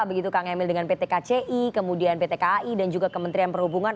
begitu kang emil dengan pt kci kemudian pt kai dan juga kementerian perhubungan